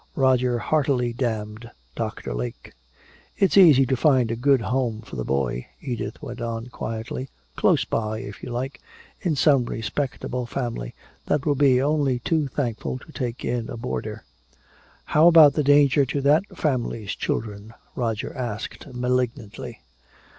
Roger heartily damned Doctor Lake! "It's easy to find a good home for the boy," Edith went on quietly, "close by, if you like in some respectable family that will be only too thankful to take in a boarder." "How about the danger to that family's children?" Roger asked malignantly.